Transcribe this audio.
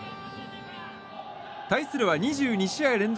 対するは２２試合連続